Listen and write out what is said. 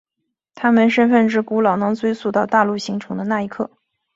他们身份之古老能追溯到大陆形成的那一刻。